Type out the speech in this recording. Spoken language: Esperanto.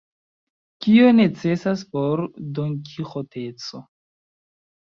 Kio necesas por donkiĥoteco?